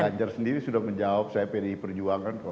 ganjar sendiri sudah menjawab saya pdi perjuangan kok